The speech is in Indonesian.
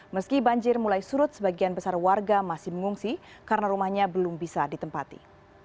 meski banjir mulai surut sebagian besar warga masih mengungsi karena rumahnya belum bisa ditempati